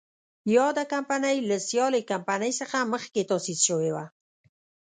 یاده کمپنۍ له سیالې کمپنۍ څخه مخکې تاسیس شوې وه.